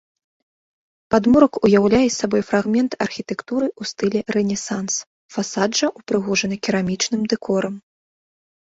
Падмурак уяўляе сабой фрагмент архітэктуры ў стылі рэнесанс, фасад жа ўпрыгожаны керамічным дэкорам.